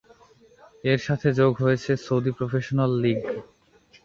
এর সাথে যোগ হয়েছে সৌদি প্রফেশনাল লীগ।